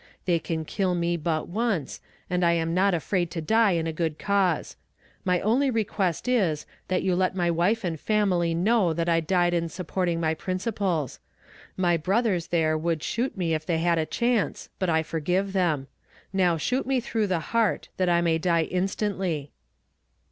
They can kill me but once, and I am not afraid to die in a good cause. My only request is, that you let my wife and family know that I died in supporting my principles. My brothers there would shoot me if they had a chance, but I forgive them. Now shoot me through the heart, that I may die instantly.'